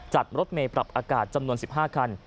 รถเมย์ปรับอากาศจำนวน๑๕คัน